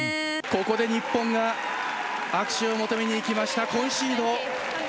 ここで日本が握手を求めに行きました、コンシード。